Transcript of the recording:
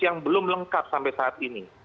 yang belum lengkap sampai saat ini